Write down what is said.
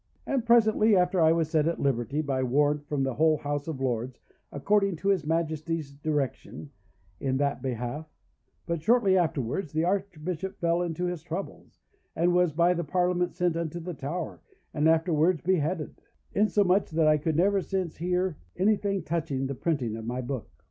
"And presently after I was set at liberty by warrant from the whole House of Lords, according to his Majesty's direction in that behalf; but shortly afterwards the Archbishop fell into his troubles, and was by the Parliament sent unto the Tower, and afterwards beheaded; insomuch that I could never since hear anything touching the printing of my book.